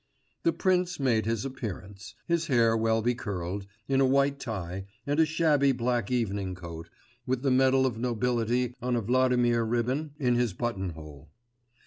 The prince made his appearance, his hair well becurled, in a white tie, and a shabby black evening coat, with the medal of nobility on a Vladimir ribbon in his buttonhole.